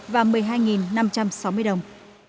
và một mươi hai năm trăm sáu mươi đồng